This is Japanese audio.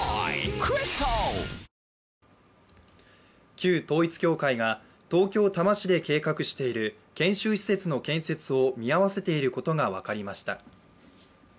旧統一教会が東京・多摩市で計画している研修施設の建設を見合わせていることが分かりました。